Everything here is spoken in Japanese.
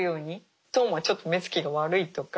トンはちょっと目つきが悪いとか。